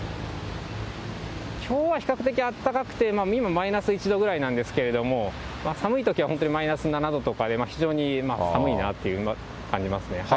きょうは比較的あったかくて、マイナス１度ぐらいなんですけれども、寒いときは本当にマイナス７度とかで、非常に寒いなって感じますね。